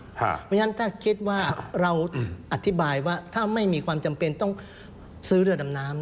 เพราะฉะนั้นถ้าคิดว่าเราอธิบายว่าถ้าไม่มีความจำเป็นต้องซื้อเรือดำน้ำ